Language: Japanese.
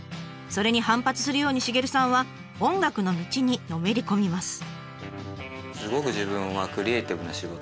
それに反発するようにシゲルさんは音楽の道にのめり込みます。